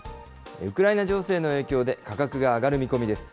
ウクライナ情勢の影響で、価格が上がる見込みです。